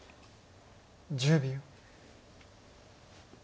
１０秒。